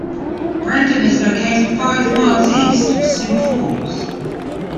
Brandon is located five miles east of Sioux Falls.